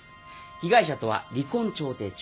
被害者とは離婚調停中。